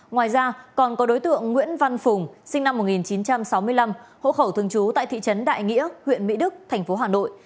ngoài ra còn có đối tượng nguyễn văn phùng sinh năm một nghìn chín trăm sáu mươi năm hộ khẩu thường trú tại thị trấn đại nghĩa huyện mỹ đức thành phố hà nội